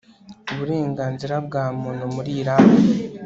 uburenganzira bwa muntu muri Irani